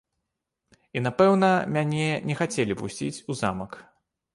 І, напэўна, мяне не хацелі пусціць у замак.